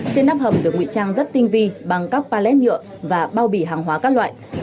trên nắp hầm được nguy trang rất tinh vi bằng các pallet nhựa và bao bì hàng hóa các loại